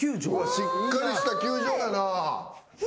しっかりした球場やな。